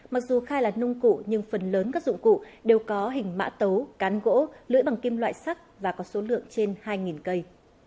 mặc dù khai là nông cụ nhưng phần lớn các dụng cụ đều có hình mã tấu cán gỗ lưỡi bằng kim loại sắc và có số lượng trên hai cây